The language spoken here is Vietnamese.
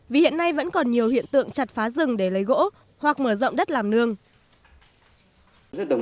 vì hiện nay vẫn còn nhiều hiện tượng chặt phá rừng để lấy gỗ hoặc mở rộng đất làm nương